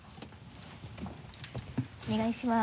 お願いします。